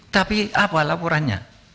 tapi apa laporannya